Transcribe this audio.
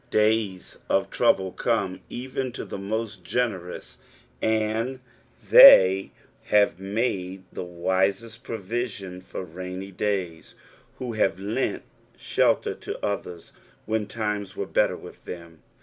Days of trouble come even to tlie nio«t generous, and they have made the wisest provision for rainy days who hive lent shelter to others when times were better with them.